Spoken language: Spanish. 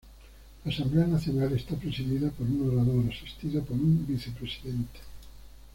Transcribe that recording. La Asamblea Nacional está presidida por un orador, asistido por un Vicepresidente.